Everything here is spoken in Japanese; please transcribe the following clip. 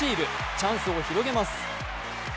チャンスを広げます。